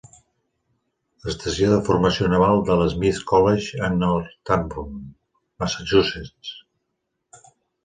Estació de formació naval de l'Smith College a Northampton, Massachusetts.